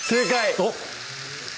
おっ！